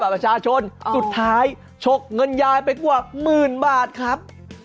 ประชาชนสุดท้ายฉกเงินยายไปกว่าหมื่นบาทครับ